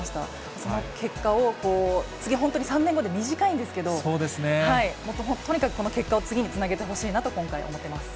その結果を次、本当に３年後って短いんですけど、とにかくこの結果を次につなげてほしいなと今回思っています。